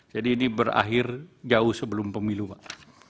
ini berakhir jauh sebelum pemilu pak